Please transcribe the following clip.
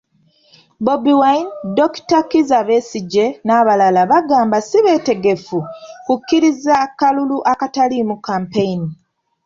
Bobi Wine, Dokita Kizza Besigye, n'abalala bagamba ssi beetegefu kukkiriza kalulu akataliimu kampeyini.